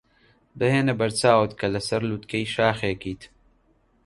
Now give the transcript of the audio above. بهێنە بەرچاوت کە لەسەر لووتکەی شاخێکیت.